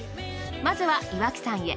まずは岩木山へ。